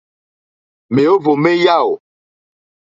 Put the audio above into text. Mèóhwò mé yáò.